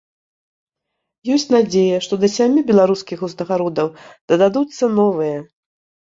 Ёсць надзея, што да сямі беларускіх узнагародаў дададуцца новыя.